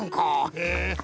へえ。